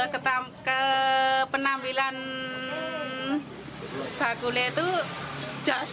kepenampilan bakule itu jas